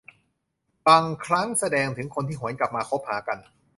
บางครั้งแสดงถึงคนที่หวนกลับมาคบหากัน